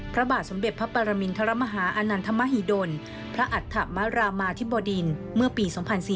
พระบาทสมเด็จพระปรมินทรมาฮาอนันทมหิดลพระอัฐมรามาธิบดินเมื่อปี๒๔๔